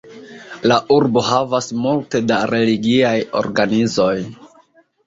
La urbo havas multe da religiaj organizoj.